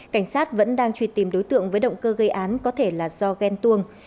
cảnh sát vẫn đang truy tìm đối tượng với động cơ gây án có thể là do ghen tuông